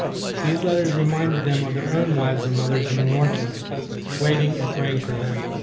These letters reminded them of their own wives and mothers in the Northland, waiting and praying for them.